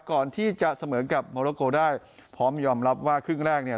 ก่อนที่จะเสมอกับโมโลโกได้พร้อมยอมรับว่าครึ่งแรกเนี่ย